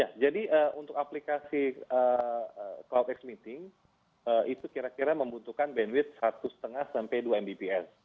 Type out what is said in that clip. ya jadi untuk aplikasi cloudx meeting itu kira kira membutuhkan bandwidth satu lima sampai dua mbps